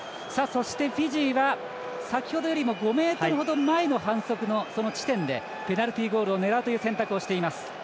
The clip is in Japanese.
フィジーは先ほどよりも５ｍほど前の反則の地点でペナルティゴールを狙うという選択をしています。